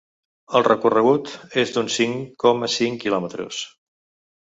El recorregut és d’uns cinc coma cinc quilòmetres.